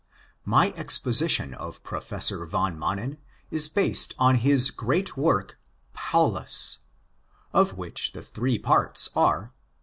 PREFACE xv My exposition of Professor van Manen is based on his great work Paulus, of which the three parts are: I.